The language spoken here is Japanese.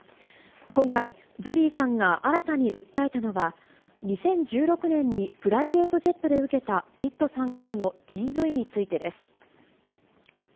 今回、ジョリーさんが新たに訴えたのは、２０１６年にプライベートジェットで受けたピットさんからのＤＶについてです。